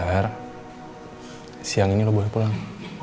sekarang siang ini lo boleh pulang